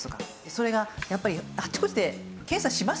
それがやっぱりあっちこっちで検査しますよね。